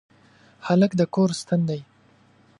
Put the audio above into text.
هلک د کور ستن دی.